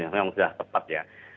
memang sudah tepat ya